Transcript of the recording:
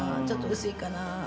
ちょっと薄いかな？